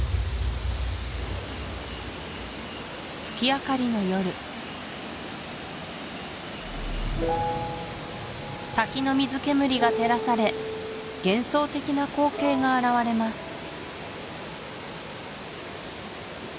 月明かりの夜滝の水煙が照らされ幻想的な光景が現れます